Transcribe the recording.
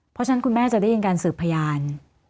เพราะฉะนั้นคุณแม่จะได้ยินการสืบพยาน